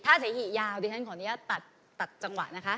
ถ้าเสียหิตยาวดิฉันขอตัดจังหวะนะคะ